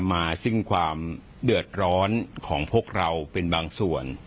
มาซึ่งความเดือดร้อนของพวกเราเป็นบางส่วน